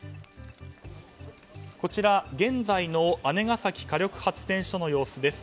こちら、現在の姉崎火力発電所の様子です。